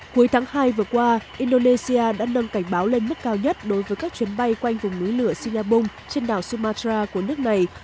cuối tháng hai vừa qua indonesia đã nâng cảnh báo lên mức cao nhất đối với các chuyến bay quanh vùng núi lửa sinabung trên đảo simacara của nước này